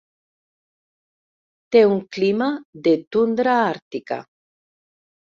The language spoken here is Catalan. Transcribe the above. Té un clima de tundra àrtica.